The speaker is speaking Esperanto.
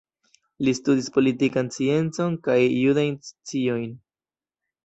Li studis politikan sciencon kaj judajn sciojn.